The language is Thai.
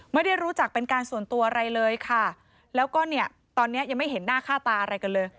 ไม่ได้รู้จักเป็นการส่วนตัวอะไรเลยค่ะแล้วก็เนี่ยตอนเนี้ยยังไม่เห็นหน้าค่าตาอะไรกันเลย